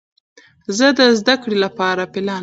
زه د زده کړې له پاره پلان لرم.